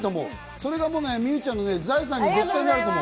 それが美羽ちゃんの財産に絶対なると思う。